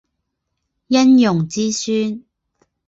殷融之孙。